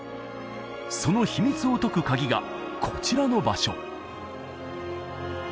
その秘密を解くカギがこちらの場所